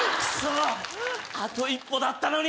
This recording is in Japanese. あと一歩だったのに。